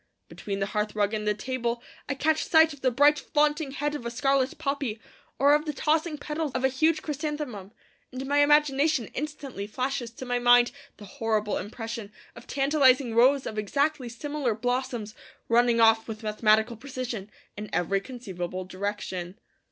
Between the hearthrug and the table I catch sight of the bright flaunting head of a scarlet poppy, or of the tossing petals of a huge chrysanthemum, and my imagination instantly flashes to my mind the horrible impression of tantalizing rows of exactly similar blossoms running off with mathematical precision in every conceivable direction.